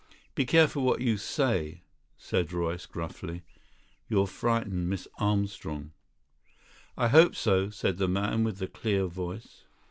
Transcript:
"Be careful what you say," said Royce gruffly, "you'll frighten Miss Armstrong." "I hope so," said the man with the clear voice.